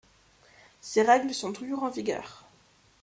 Ces règles sont toujours en vigueur.